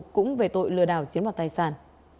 cũng về tội lừa đảo chiến đoạt tài sản